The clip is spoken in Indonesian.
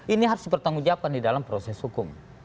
ini harus dipertanggungjawabkan di dalam proses hukum